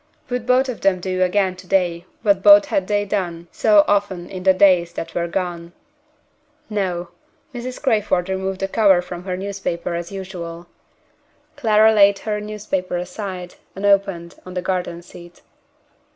Would both of them do again to day what both had done so often in the days that were gone? No! Mrs. Crayford removed the cover from her newspaper as usual. Clara laid her newspaper aside, unopened, on the garden seat.